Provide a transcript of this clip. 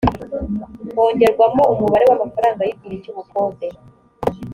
hongerwamo umubare w’amafaranga y’igihe cy’ubukode